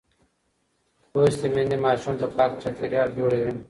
لوستې میندې ماشوم ته پاک چاپېریال جوړوي.